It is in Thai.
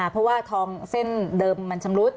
เพราะว่าทองเส้นเดิมมันชำรุด